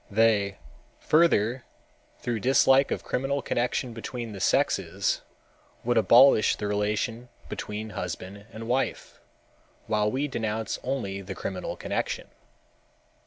They, further, through dislike of criminal connection between the sexes, would abolish the relation between husband and wife, while we denounce only the criminal connection.